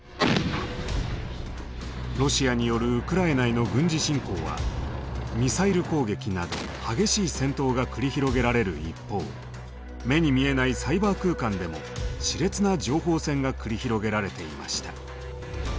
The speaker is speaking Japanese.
ロシアによるウクライナへの軍事侵攻はミサイル攻撃など激しい戦闘が繰り広げられる一方目に見えないサイバー空間でもしれつな情報戦が繰り広げられていました。